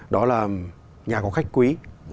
đó là nhà có khách quý